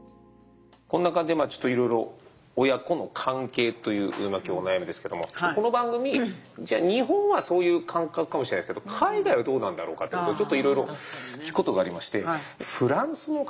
こんな感じでちょっといろいろ親子の関係という今日はお悩みですけどもこの番組じゃあ日本はそういう感覚かもしれないですけど海外はどうなんだろうかってことちょっといろいろ聞くことがありましてフランスの方。